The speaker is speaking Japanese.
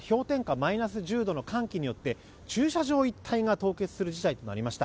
マイナス１０度の寒気によって駐車場一帯が凍結する事態となりました。